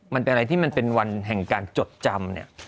มันเป็นอะไรที่มันเป็นวันแห่งการจดจำเนี่ย